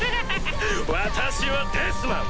私はデスマン！